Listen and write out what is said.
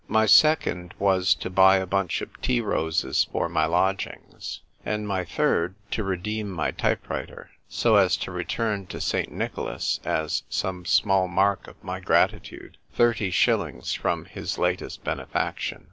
My second Il6 THE TYPE WRITER (IIRL. was, to buy a bunch of tea roses for my lodgings : and my third, to redeem my type writer, so as to return to St. Nicholas, as some small mark of my gratitude, thirty shillings from his latest benefaction.